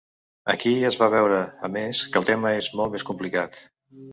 Aquí es va veure, a més, que el tema és molt més complicat.